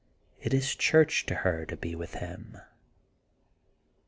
It is Church to her to be with him.